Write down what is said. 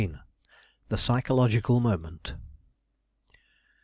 THE PSYCHOLOGICAL MOMENT.